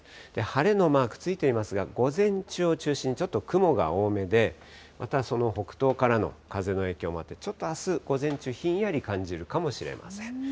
晴れのマークついていますが、午前中を中心にちょっと雲が多めで、またその北東からの風の影響もあって、ちょっとあす午前中、ひんやり感じるかもしれません。